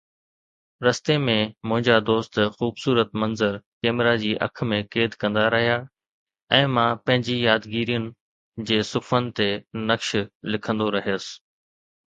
رستي ۾، منهنجا دوست خوبصورت منظر ڪئميرا جي اک ۾ قيد ڪندا رهيا ۽ مان پنهنجي يادگيرين جي صفحن تي نقش لکندو رهيس.